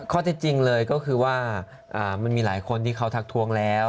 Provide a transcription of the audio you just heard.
ข้อเท็จจริงเลยก็คือว่ามันมีหลายคนที่เขาทักทวงแล้ว